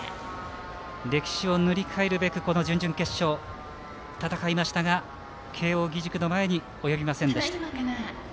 歴史を塗り替えるべく準々決勝戦いましたが慶応義塾の前に及びませんでした。